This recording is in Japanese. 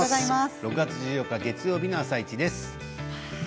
６月１４日月曜日の「あさイチ」です。